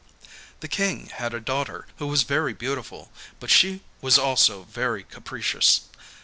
The King had a daughter who was very beautiful, but she was also very capricious.